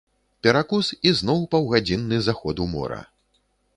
Перакус і зноў паўгадзінны заход у мора.